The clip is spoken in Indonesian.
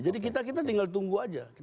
jadi kita tinggal tunggu aja